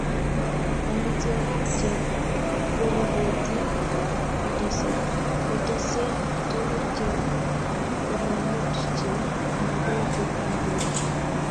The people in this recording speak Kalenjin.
Amitwogik che burukotin kotesei tuguk chebo komonut che mogotin eng borto